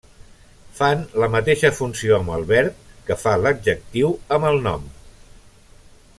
Fan la mateixa funció amb el verb que fa l'adjectiu amb el nom.